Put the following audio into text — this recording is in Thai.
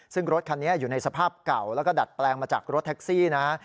ซึ่งรถคันนี้อยู่ในสภาพเก่าแล้วก็ดัดแปลงมาจากรถแท็กซี่นะ